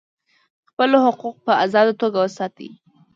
خپل حقوق په آزاده توګه ساتي.